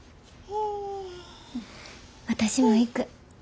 私も行く。